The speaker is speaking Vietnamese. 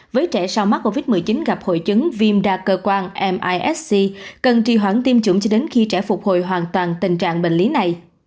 với trẻ sau mắc covid một mươi chín gặp hội chứng viêm đa cơ quan misc cần trì hoãn tiêm chủng cho đến khi trẻ phục hồi hoàn toàn tình trạng bệnh lý này